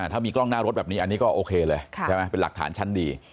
ถ้ามีกล้องหน้ารถแบบนี้อันนี้ก็โอเคเลยใช่ไหมเป็นหลักฐานชั้นดี